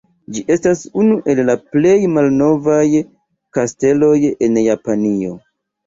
Ĝi estas unu el la plej malnovaj kasteloj en Japanio.